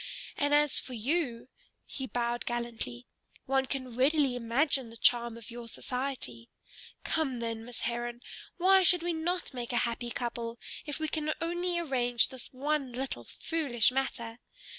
And as for you," he bowed gallantly, "one can readily imagine the charm of your society. Come, then, Miss Heron, why should we not make a happy couple, if we can only arrange this one little foolish matter?